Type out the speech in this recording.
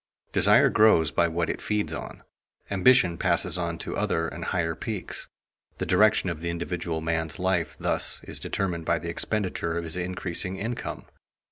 Desire grows by what it feeds on. Ambition passes on to other and higher peaks. The direction of the individual man's life thus is determined by the expenditure of his increasing income.